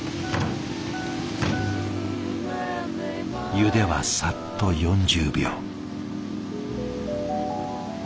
ゆではさっと４０秒。